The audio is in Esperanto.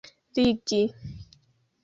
ligi